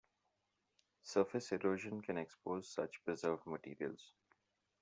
Surface erosion can expose such preserved materials.